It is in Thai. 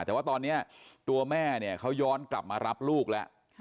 แต่ว่าตอนนี้ตัวแม่เนี่ยเขาย้อนกลับมารับลูกแล้ว